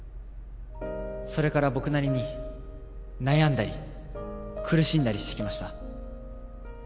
それから僕なりに悩んだり苦しんだりしてきました。